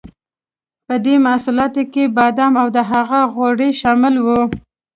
په دې محصولاتو کې بادام او د هغه غوړي شامل وو.